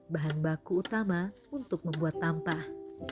bahan baku utama untuk membuat tampah